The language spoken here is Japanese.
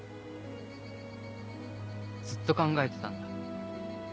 ずっと考えてたんだ。